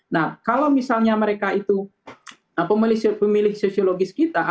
nah kalau misalnya mereka itu pemilih sosiologis kita